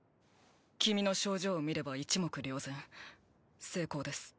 君の症状を見れば一目瞭然成功です